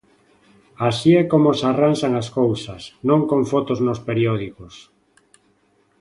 Así é como se arranxan as cousas, non con fotos nos periódicos.